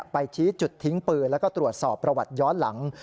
ชี้จุดทิ้งปืนแล้วก็ตรวจสอบประวัติย้อนหลัง